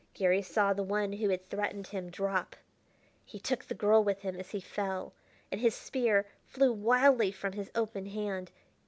Garry saw the one who had threatened him drop; he took the girl with him as he fell, and his spear flew wildly from his open hand.